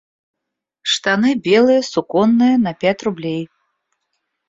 Штаны белые суконные на пять рублей.